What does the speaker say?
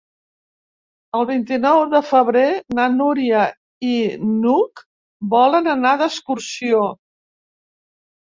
El vint-i-nou de febrer na Núria i n'Hug volen anar d'excursió.